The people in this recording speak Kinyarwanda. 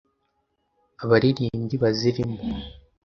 abaririmbyi bazirimo.